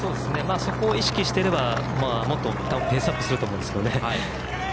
そこを意識してればもっとペースアップすると思うんですが。